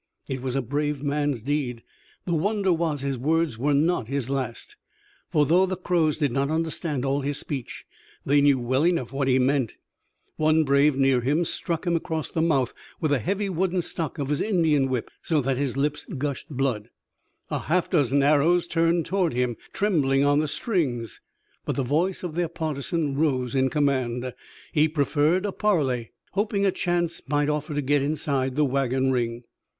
It was a brave man's deed. The wonder was his words were not his last, for though the Crows did not understand all his speech, they knew well enough what he meant. One brave near him struck him across the mouth with the heavy wooden stock of his Indian whip, so that his lips gushed blood. A half dozen arrows turned toward him, trembling on the strings. But the voice of their partisan rose in command. He preferred a parley, hoping a chance might offer to get inside the wagon ring.